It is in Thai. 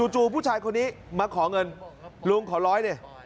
จู่ผู้ชายคนนี้มาขอเงินลุงขอร้อยดิ